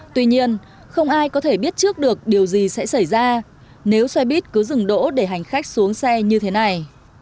tuy nhiên không ai có thể biết trước được điều gì sẽ xảy ra nếu xe buýt cứ dừng đỗ để hành khách xuống xe như thế này